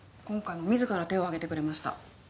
今回も自ら手を挙げてくれました。